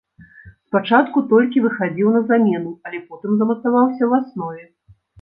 Спачатку толькі выхадзіў на замену, але потым замацаваўся ў аснове.